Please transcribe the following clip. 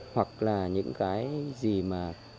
hoặc là những cái gì mà